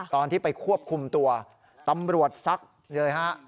ตอนที่ไปควบคุมตัวตำรวจซักเลยฮะ